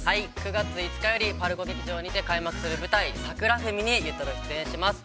◆９月５日よりパルコ劇場にて開幕する舞台「桜文」にゆうたろうが出演します。